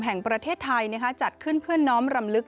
แห่งประเทศไทยจัดขึ้นเพื่อน้อมรำลึก